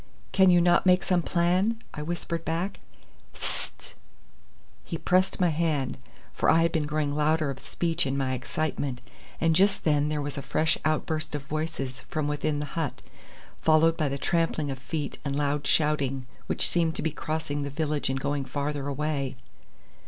"Can you not make some plan?" I whispered back. "Hist!" He pressed my hand, for I had been growing louder of speech in my excitement, and just then there was a fresh outburst of voices from within the hut, followed by the trampling of feet and loud shouting, which seemed to be crossing the village and going farther away.